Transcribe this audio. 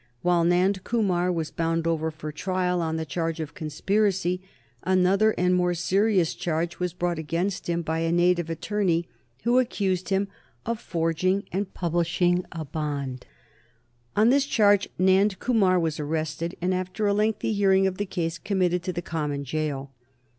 While Nand Kumar was bound over for trial on the charge of conspiracy, another and more serious charge was brought against him by a native attorney, who accused him of forging and publishing a bond. On this charge Nand Kumar was arrested, and after a lengthy hearing of the case committed to the common jail.